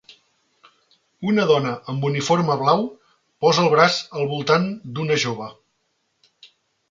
Una dona amb uniforme blau posa el braç al voltant d'una jove.